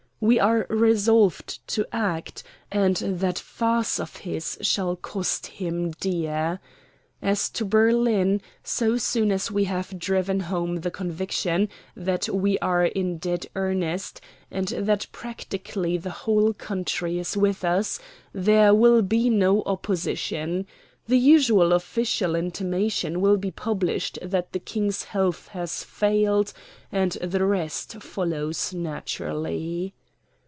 "We are resolved to act; and that farce of his shall cost him dear. As to Berlin, so soon as we have driven home the conviction that we are in dead earnest, and that practically the whole country is with us, there will be no opposition. The usual official intimation will be published that the King's health has failed, and the rest follows naturally."